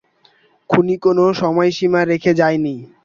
খুনি কোনো সময়সীমা রেখে যায়নি।